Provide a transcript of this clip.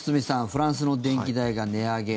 フランスの電気代が値上げ。